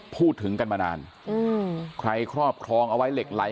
พูดถึงกันมานานใครครอบครองเอาไว้เหล็กไหล